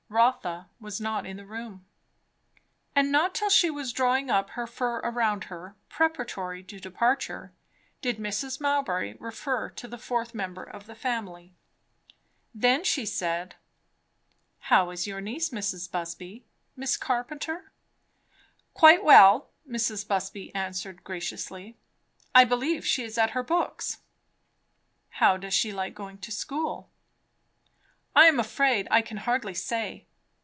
Rotha was not in the room. And not till she was drawing up her fur around her, preparatory to departure, did Mrs. Mowbray refer to the fourth member of the family. Then she said, "How is your niece, Mrs. Busby? Miss Carpenter?" "Quite well," Mrs. Busby answered graciously. "I believe she is at her books." "How does she like going to school?" "I am afraid I can hardly say.